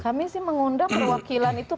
kami sih mengundang perwakilan itu